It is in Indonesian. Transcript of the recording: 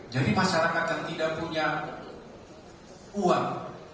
jadi masyarakat yang tidak punya uang